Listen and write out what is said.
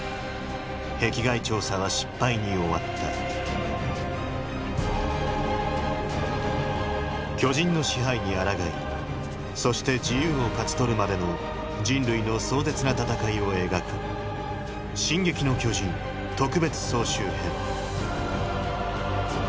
壁外調査は失敗に終わった巨人の支配に抗いそして自由を勝ち取るまでの人類の壮絶な戦いを描く「進撃の巨人特別総集編」